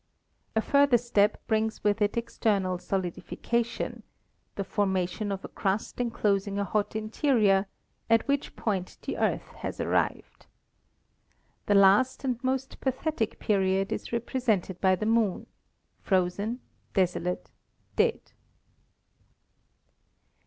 A further step brings with it external solidification, the formation of a crust enclosing a hot interior, at which point the Earth has arrived. The last and most pathetic period is represented by the Moon — frozen, desolate, dead.